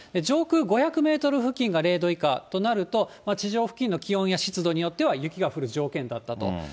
上空５００メートル付近が０度以下となると、地上付近の気温や湿度によっては雪が降る条件だったと。